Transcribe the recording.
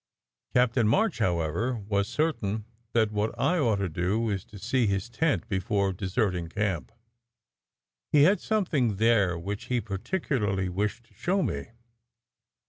Captain March, however, was certain that what I ought to do was to see his tent before desert ing camp. He had something there which he particularly wished to show me.